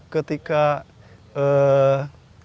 feedbacknya lumayan bagus